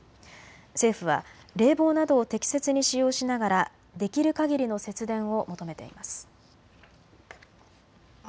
政府は冷房などを適切に使用しながらできるかぎりの節電を求めています。